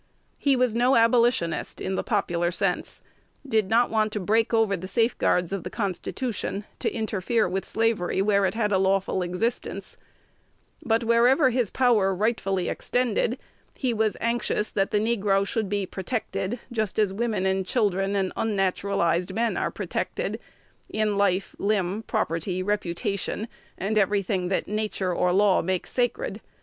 He was no Abolitionist in the popular sense; did not want to break over the safeguards of the Constitution to interfere with slavery where it had a lawful existence; but, wherever his power rightfully extended, he was anxious that the negro should be protected, just as women and children and unnaturalized men are protected, in life, limb, property, reputation, and every thing that nature or law makes sacred.